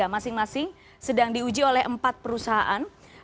masing masing sedang diuji oleh empat perusahaan